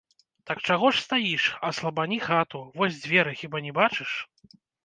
Так чаго ж стаіш, аслабані хату, вось дзверы, хіба не бачыш?